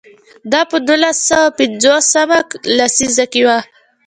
دا په نولس سوه پنځوس مه لسیزه کې و.